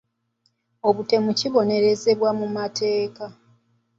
Obutemu kibonerezebwa mu mateeka.